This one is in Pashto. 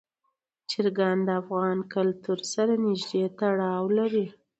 چرګان د افغان کلتور سره نږدې تړاو لري.